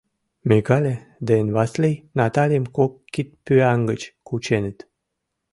Микале ден Васлий Натальым кок кидпӱан гыч кученыт.